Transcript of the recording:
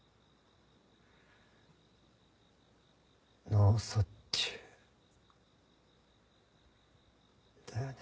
脳卒中だよね。